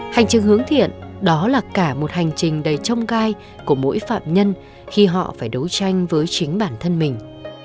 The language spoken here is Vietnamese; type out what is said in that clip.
hành trình hướng thiện đó là cả một hành trình đầy trông gai của mỗi phạm nhân khi họ phải đấu tranh với chính bản thân mình